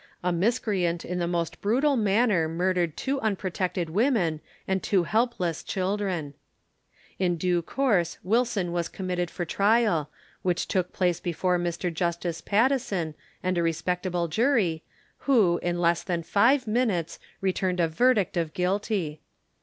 A miscreant in the most brutal manner murdered two unprotected women and two helpless children. In due course Wilson was committed for trial, which took place before Mr Justice Patteson and a respectable jury, who, in less than five minutes, returned a verdict of GUILTY.